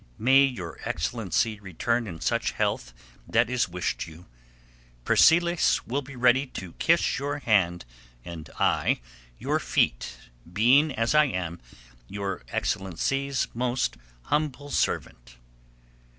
May Your Excellency return in such health that is wished you; Persiles will be ready to kiss your hand and I your feet, being as I am, Your Excellency's most humble servant.